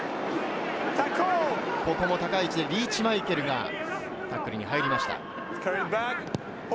ここも高い位置でリーチ・マイケルが入りました。